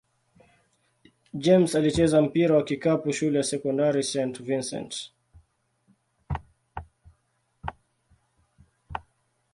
James alicheza mpira wa kikapu shule ya sekondari St. Vincent-St.